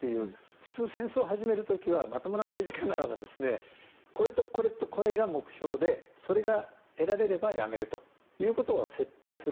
普通、戦争を始める時はまともな政治家ならばこれとこれが目標でそれが得られればやめるということを設定する。